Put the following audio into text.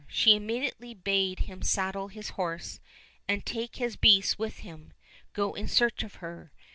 She immediately bade him saddle his horse, and taking his beasts with him, go in search of her.